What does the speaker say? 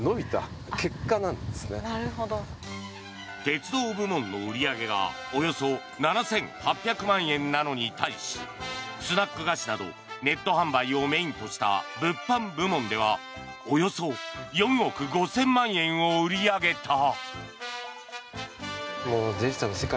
鉄道部門の売り上げがおよそ７８００万円なのに対しスナック菓子などネット販売をメインとした物販部門ではおよそ４億５０００万円を売り上げた。